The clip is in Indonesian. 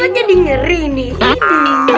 kan jadi ngeri nih